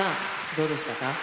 どうでしたか？